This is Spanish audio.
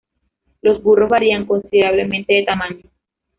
Los burros varían considerablemente de tamaño.